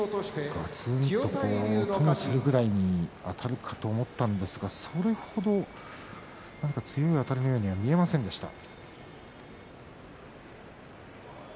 ごつんと音のするくらいあたるかと思ったんですがそれ程強いあたりには見えませんでした。